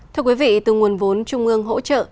thưa quý vị từ nguồn vốn trung ương hỗ trợ